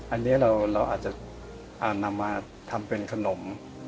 อันนี้เราอาจจะนำมาทำเป็นขนม